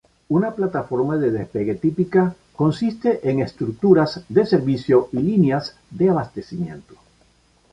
Una plataforma de despegue típica consiste en estructuras de servicio y líneas de abastecimiento.